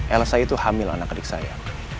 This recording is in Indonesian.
elsa itu hamil anak adik saya